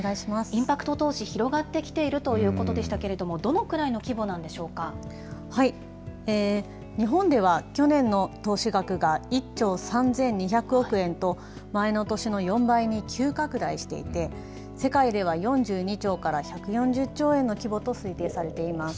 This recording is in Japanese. インパクト投資、広がってきているということでしたけれども、日本では去年の投資額が１兆３２００億円と、前の年の４倍に急拡大していて、世界では４２兆から１４０兆円の規模と推定されています。